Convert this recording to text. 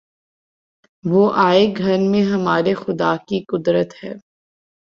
وہ آئے گھر میں ہمارے‘ خدا کی قدرت ہے!